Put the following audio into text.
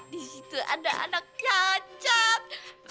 disitu ada anaknya cap